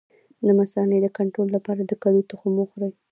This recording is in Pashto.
د مثانې د کنټرول لپاره د کدو تخم وخورئ